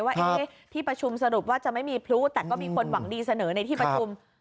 ว่าที่ประชุมสรุปว่าจะไม่มีพลุแต่ก็มีคนหวังดีเสนอในที่ประชุม